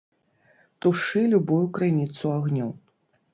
Тушы любую крыніцу агню.